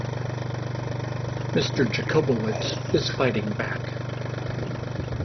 Mr. Jacobowitz is fighting back.